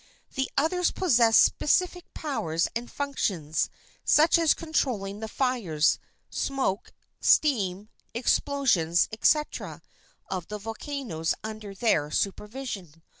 The others possessed specific powers and functions, such as controlling the fires, smoke, steam, explosions, etc., of the volcanoes under their supervision.